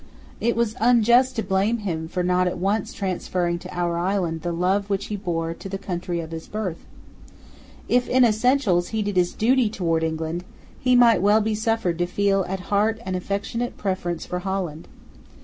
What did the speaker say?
It was unjust to blame him for not at once transferring to our island the love which he bore to the country of his birth. If, in essentials, he did his duty towards England, he might well be suffered to feel at heart an affectionate preference for Holland.